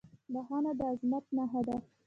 • بښنه د عظمت نښه ده.